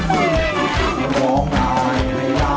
ร้องได้ร้องได้ร้องได้ร้องได้